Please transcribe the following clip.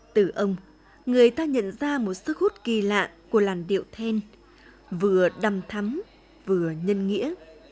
từ ông người ta nhận ra một sức hút kỳ lạ của làn điệu then vừa đầm thắm vừa nhân nghĩa